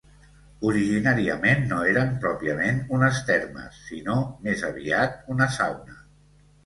Originàriament no eren pròpiament unes termes, sinó més aviat una sauna.